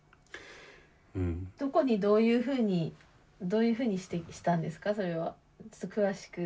どこにどういうふうにどういうふうにしたんですかそれは？詳しく。